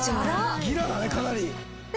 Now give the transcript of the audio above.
ギラだねかなり。